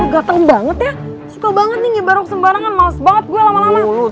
lo gatel banget ya suka banget nih ngebar hoax sembarangan males banget gue lama lama